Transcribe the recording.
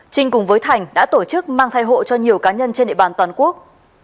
trinh cùng với thành đã tổ chức mang thai hộ cho nhiều cá nhân trên địa bàn toàn quốc